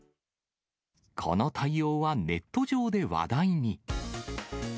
この対応はネット上で話題に。